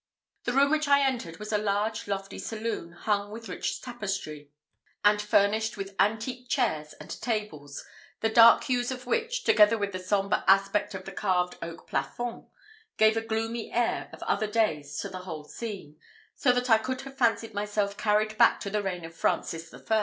The room which I entered was a large, lofty saloon, hung with rich tapestry, and furnished with antique chairs and tables, the dark hues of which, together with the sombre aspect of the carved oak plafond, gave a gloomy air of other days to the whole scene, so that I could have fancied myself carried back to the reign of Francis I.